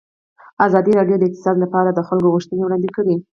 ازادي راډیو د اقتصاد لپاره د خلکو غوښتنې وړاندې کړي.